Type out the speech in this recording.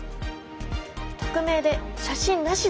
匿名で写真なしであれば。